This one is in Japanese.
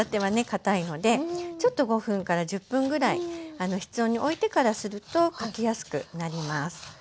かたいのでちょっと５分から１０分ぐらい室温においてからするとかきやすくなります。